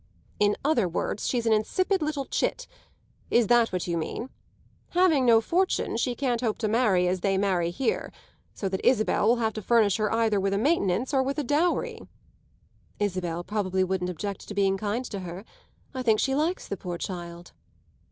"In other words she's an insipid little chit. Is that what you mean? Having no fortune she can't hope to marry as they marry here; so that Isabel will have to furnish her either with a maintenance or with a dowry." "Isabel probably wouldn't object to being kind to her. I think she likes the poor child."